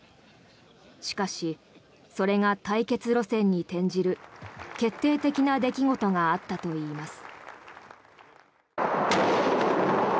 しかし、それが対決路線に転じる決定的な出来事があったといいます。